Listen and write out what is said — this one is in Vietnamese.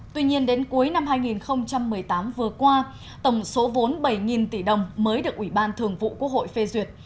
tuy nhiên đến cuối năm hai nghìn một mươi tám vừa qua tổng số vốn bảy tỷ đồng mới được ủy ban thường vụ quốc hội phê duyệt